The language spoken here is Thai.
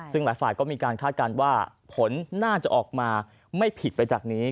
ซึ่งหลายฝ่ายก็มีการคาดการณ์ว่าผลน่าจะออกมาไม่ผิดไปจากนี้